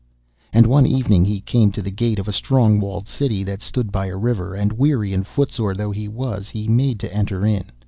And one evening he came to the gate of a strong walled city that stood by a river, and, weary and footsore though he was, he made to enter in.